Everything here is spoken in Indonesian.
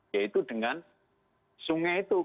yaitu dengan sungai itu